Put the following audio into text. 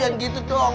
jangan gitu dong